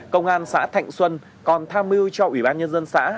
công an xã thạnh xuân còn tham mưu cho ủy ban nhân dân xã